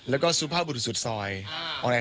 แล้วก็ถุงผ้าปุดสุดสอย